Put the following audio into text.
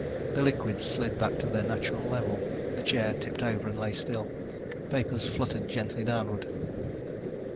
The liquids slid back to their natural level, the chair tipped over and lay still, papers fluttered gently downward.